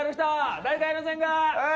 誰かやりませんか？